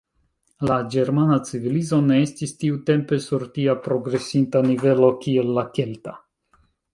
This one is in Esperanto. La ĝermana civilizo ne estis tiutempe sur tia progresinta nivelo kiel la kelta.